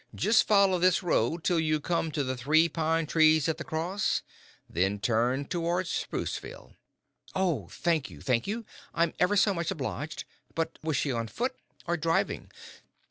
"Just follow this road till you come to the three pine trees at the cross. Then turn toward Spruceville." "Oh, thank you, thank you. I'm ever so much obliged. But was she on foot or driving?"